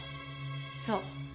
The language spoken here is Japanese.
そう。